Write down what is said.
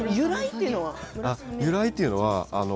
由来というのは？